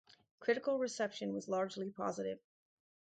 Critical reception was largely positive.